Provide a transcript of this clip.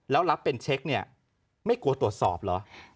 แล้วรับเป็นเช็คเนี่ยไม่กลัวตรวจสอบเหรอ